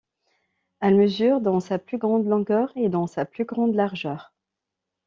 Elle mesure dans sa plus grande longueur et dans sa plus grande largeur.